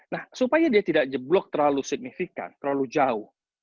nah supaya dia tidak jeblok terlalu signifikan terlalu jauh